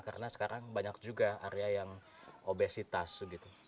karena sekarang banyak juga arya yang obesitas gitu